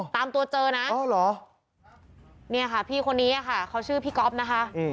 ตามตัวเจอนะเนี่ยค่ะพี่คนนี้ค่ะเขาชื่อพี่ก๊อฟนะคะ